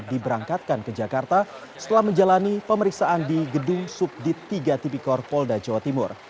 diberangkatkan ke jakarta setelah menjalani pemeriksaan di gedung subdit tiga tipikor polda jawa timur